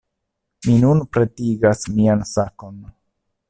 Mi nun pretigas mian sakon.